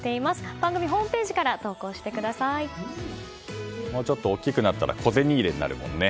番組ホームページからもうちょっと大きくなったら小銭入れになるもんね。